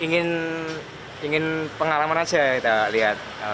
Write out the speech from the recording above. ya ingin pengalaman saja kita lihat